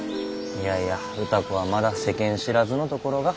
いやいや歌子はまだ世間知らずのところが。